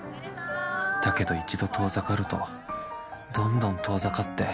だけど一度遠ざかるとどんどん遠ざかって。